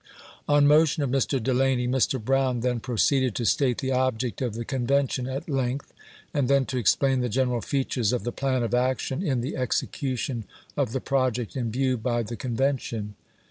On motion of Mr. Delany, Mr. Brown then proceeded to state the object of the Convention at length, and then to explain the general features of the plan of action in the execution of the project in view by the Conven tion.